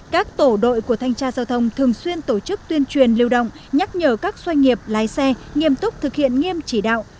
các tổ đội của thanh tra giao thông thường xuyên tổ chức tuyên truyền lưu động nhắc nhở các doanh nghiệp lái xe nghiêm túc thực hiện nghiêm chỉ đạo